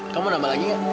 kamu mau nambah lagi gak